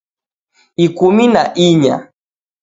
Ikumi na inya